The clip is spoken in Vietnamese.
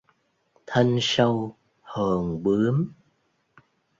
Thân sâu hồn bướm